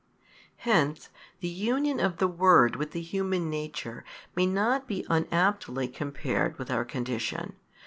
Hence the union of the Word with the human nature may be not unaptly compared with our condition.